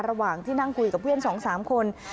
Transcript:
ระหว่างที่นั่งคุยกับเพื่อน๒๓คน